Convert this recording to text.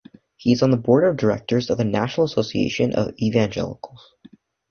He is on the board of directors of the National Association of Evangelicals.